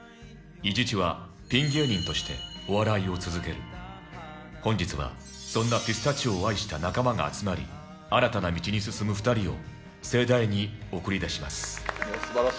伊地知はピン芸人としてお笑いを続ける本日はそんなピスタチオを愛した仲間が集まり新たな道に進む２人を盛大に送り出します